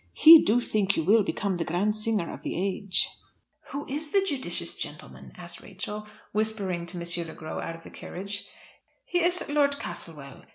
He do think you will become the grand singer of the age." "Who is the judicious gentleman?" asked Rachel, whispering to M. Le Gros out of the carriage. "He is Lord Castlewell.